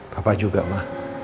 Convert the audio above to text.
papa juga ma